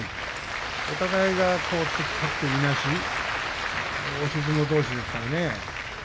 お互いがいなし、押し相撲どうしですからね。